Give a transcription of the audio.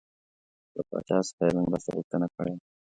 له پاچا څخه یې د مرستو غوښتنه کړې وه.